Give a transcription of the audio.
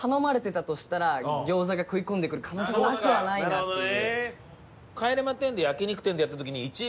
餃子が食い込んでくる可能性もなくはないなっていう。